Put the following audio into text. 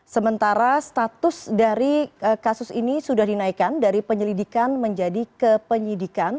sementara status dari kasus ini sudah dinaikkan dari penyelidikan menjadi kepenyidikan